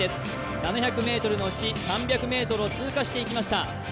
７００ｍのうち３００ｍを通過していきました。